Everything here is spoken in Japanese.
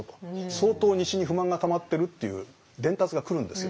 相当西に不満がたまってるっていう伝達が来るんですよ。